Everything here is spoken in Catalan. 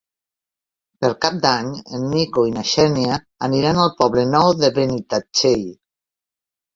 Per Cap d'Any en Nico i na Xènia aniran al Poble Nou de Benitatxell.